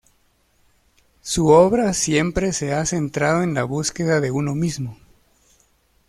Su obra siempre se ha centrado en la búsqueda de uno mismo.